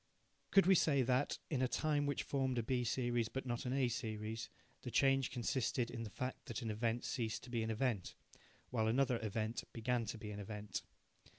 Could we say that, in a time which formed a B series but not an A series, the change consisted in the fact that an event ceased to be an event, while another event began to be an event?